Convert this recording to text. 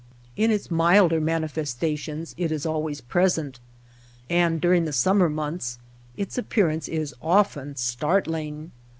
In its milder manifestations it is always present, and during the summer months its appearance is often startling.